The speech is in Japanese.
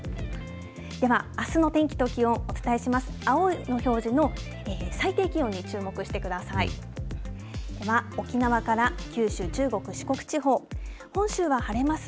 では、あすの天気と気温お伝えします。